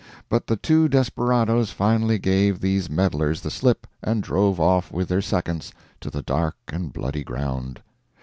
But the two desperadoes finally gave these meddlers the slip, and drove off with their seconds to the dark and bloody ground.